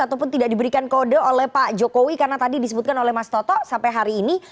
ataupun tidak diberikan kode oleh pak jokowi karena tadi disebutkan oleh mas toto sampai hari ini